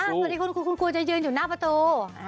สวัสดีคุณจะยืนอยู่หน้าประตู